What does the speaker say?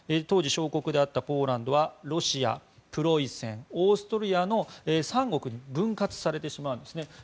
当時、小国であったポーランドはロシア、プロイセンオーストリアの３国に分割されてしまうんですね。